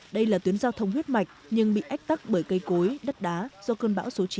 đây là tuyến giao thông huyết mạch nhưng bị ách tắc bởi cây cối đất đá do cơn bão số chín